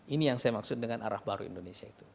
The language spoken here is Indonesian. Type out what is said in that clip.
ini yang saya maksud dengan arah baru indonesia itu